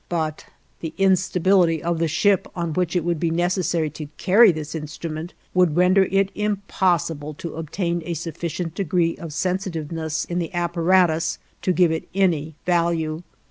But the instability of the ship on which it would be necessary to carry this instrument would render it impossible to obtain a sufficient degree of sensitiveness in the apparatus to give it any value.